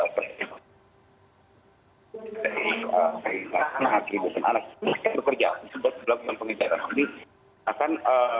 terus kita berkontak kontak yang lain